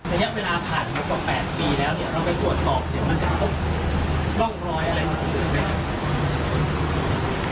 เมื่อเกี่ยวกับ๘ปีแล้วเนี่ยเราไปตรวจสอบเดี๋ยวมันจะต้องร้อยอะไรบ้างหรือเปล่า